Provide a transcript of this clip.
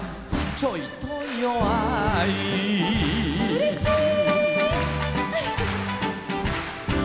うれしい！